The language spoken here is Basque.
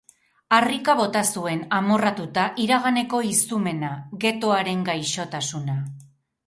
Harrika bota zuen, amorratuta, iraganeko izumena, ghettoaren gaixotasuna.